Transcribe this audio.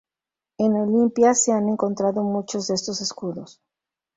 En Olimpia se han encontrado muchos de estos escudos.